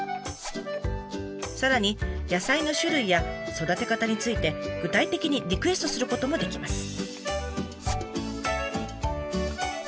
さらに野菜の種類や育て方について具体的にリクエストすることもできます。